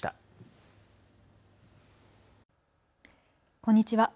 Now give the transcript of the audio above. こんにちは。